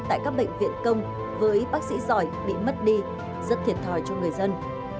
tại các bệnh viện công với bác sĩ giỏi bị mất đi rất thiệt thòi cho người dân